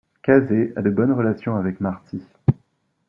Casey a de bonnes relations avec Marti.